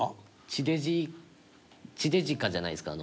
地デジ地デジカじゃないですか？